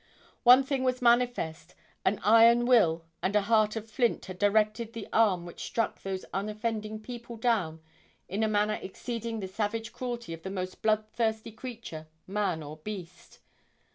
One thing was manifest; an iron will and a heart of flint had directed the arm which struck those unoffending people down in a manner exceeding the savage cruelty of the most blood thirsty creature—man or beast.